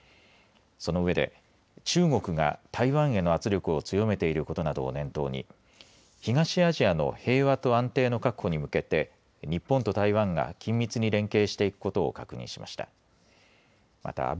その上で中国が台湾への圧力を強めていることなどを念頭に東アジアの平和と安定の確保に向けて日本と台湾が緊密に連携していくことを確認しました。